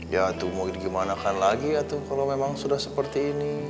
ya tuh mau digimanakan lagi atau kalau memang sudah seperti ini